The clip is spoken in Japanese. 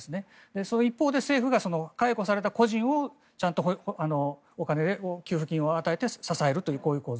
その一方で政府が解雇された個人をちゃんとお金、給付金を与えて支えるというこういう構造。